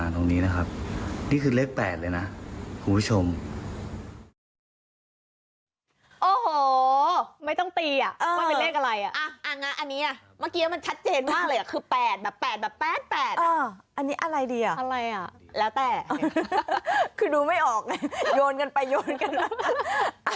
อันนี้อะไรดีอ่ะแล้วแต่คือดูไม่ออกโยนกันไปโยนกันไป